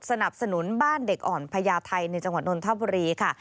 สนับสนุนบ้านเด็กอ่อนพญาไทยในจังหวัดนนทบุรีค่ะ